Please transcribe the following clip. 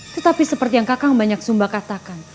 tetapi seperti yang kakak banyak sumba katakan